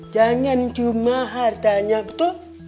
jangan cuma hartanya betul